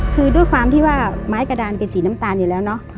คือด้วยความที่ว่าไม้กระดานเป็นสีน้ำตาลอยู่แล้วเนอะ